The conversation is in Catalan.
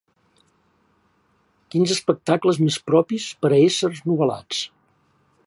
Quins espectacles més propis per a ésser novel·lats